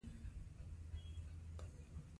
امنیت د پانګونې لومړنی شرط دی.